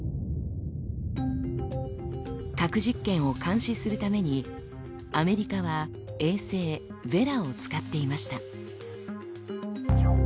核実験を監視するためにアメリカは衛星「ヴェラ」を使っていました。